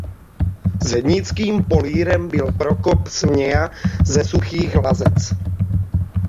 Zednickým polírem byl Prokop Směja ze Suchých Lazec.